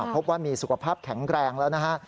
พบว่ามีสุขภาพแข็งแรงแล้วนะฮะ